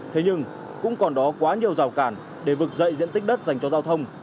thế nhưng cũng còn đó quá nhiều rào cản để vực dậy diện tích đất dành cho giao thông